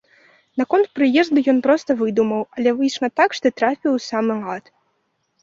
Наконт прыезду ён проста выдумаў, але выйшла так, што трапіў у самы лад.